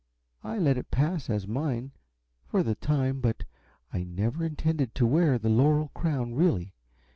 I let it pass as mine, for the time, but I never intended to wear the laurel crown, really.